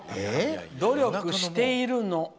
努力しているの！